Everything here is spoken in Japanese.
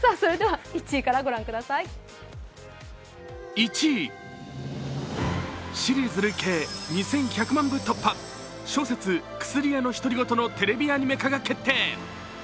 １位、シリーズ累計２１００万部突破、小説「薬屋のひとりごと」のテレビアニメ化が決定。